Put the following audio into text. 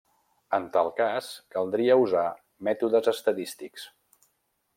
En tal cas, caldria usar mètodes estadístics.